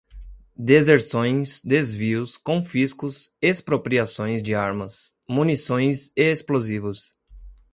Deserções, Desvios, Confiscos, Expropriações de Armas, Munições e Explosivos